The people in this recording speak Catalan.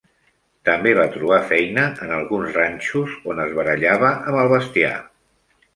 També va trobar feina en alguns ranxos, on es barallava amb el bestiar.